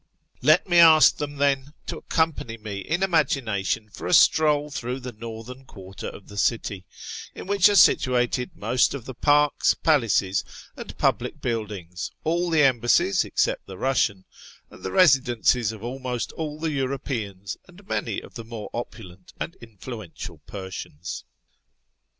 Let me ask them, then, to accompany me in imagination for a stroll througli the northern quarter of the city, in which are situated most of the parks, palaces, and public buildings, all the embassies except the Russian, and the residences of almost all the Europeans and many of the more opulent and iniluential Persians.